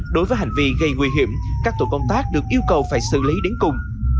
đối với hành vi gây nguy hiểm các tổ công tác được yêu cầu phải xử lý đến cùng